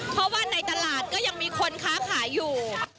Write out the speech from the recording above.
เพราะว่าในตลาดก็ยังมีคนค้าขายอยู่